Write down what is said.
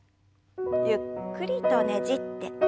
ゆっくりとねじって。